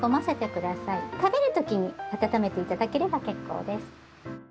食べる時に温めて頂ければ結構です。